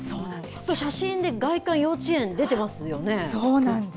ちょっと写真で外観、幼稚園そうなんです。